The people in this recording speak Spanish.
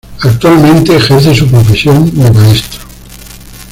Actualmente ejerce su profesión de maestro.